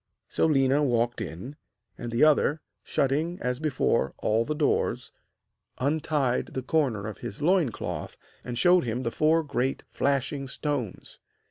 So Léna walked in, and the other, shutting as before all the doors, untied the corner of his loin cloth and showed him the four great flashing stones.